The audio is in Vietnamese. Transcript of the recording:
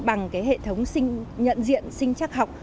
bằng hệ thống nhận diện sinh chắc học